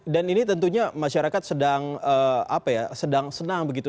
dan ini tentunya masyarakat sedang apa ya sedang senang begitu